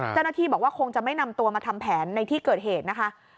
เจ้าหน้าที่บอกว่าคงจะไม่นำตัวมาทำแผนในที่เกิดเหตุนะคะ